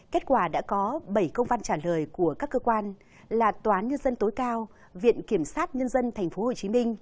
kết quả đã có bảy công văn trả lời của các cơ quan là tòa án nhân dân tối cao viện kiểm sát nhân dân tp hcm